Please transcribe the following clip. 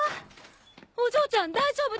お嬢ちゃん大丈夫だった？